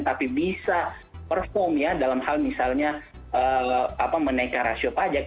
tapi bisa perform ya dalam hal misalnya menaikkan rasio pajak